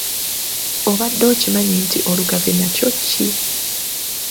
Obadde okimanyi nti olugave nakyo ki?